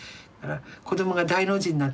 子どもが大の字になってね